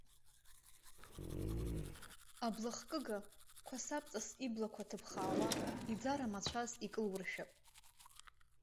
Аблахкыга, қәасабҵас иблақәа ҭыԥхаауа, иӡара амацәаз икылуршәап.